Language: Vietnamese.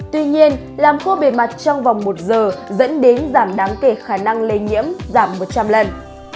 tuy nhiên làm khô bề mặt trong vòng một giờ dẫn đến giảm đáng kể khả năng lây nhiễm giảm một trăm linh lần